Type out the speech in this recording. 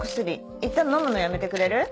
いったん飲むのやめてくれる？